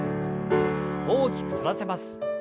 大きく反らせます。